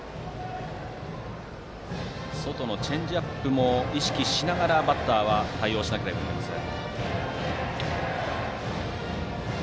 外のチェンジアップも意識しながらバッターは対応しなければいけません。